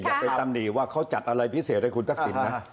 อย่าไปตำหนิว่าเขาจัดอะไรพิเศษให้คุณทักษิณนะ